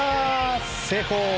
成功！